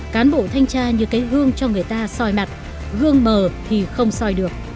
cán bộ thanh tra như cái gương cho người ta soi mặt gương mờ thì không soi được